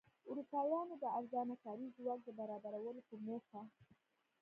اروپایانو د ارزانه کاري ځواک د برابرولو په موخه.